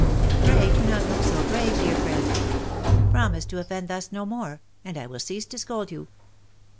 Pray do not look so grave, dear friend ! Promise to offend thus no more, and I will cease to scold you."